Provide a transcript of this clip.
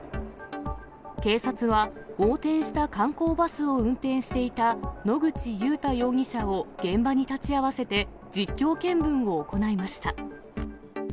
警察は、横転した観光バスを運転していた野口祐太容疑者を現場に立ち会わせて実況見分を行いました。